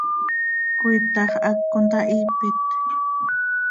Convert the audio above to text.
¿Cöiitax hac contahipit?